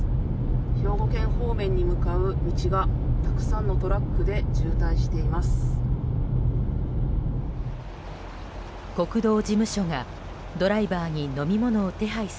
兵庫県方面に向かう道がたくさんのトラックで渋滞しています。